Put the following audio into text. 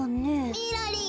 ・みろりん！